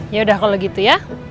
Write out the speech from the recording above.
yaudah kalau gitu ya